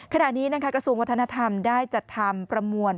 ขณะนี้กระทรวงวัฒนธรรมได้จัดทำประมวล